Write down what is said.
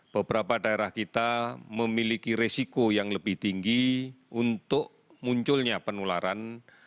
beberapa daerah kita memiliki resiko yang lebih tinggi untuk munculnya penularan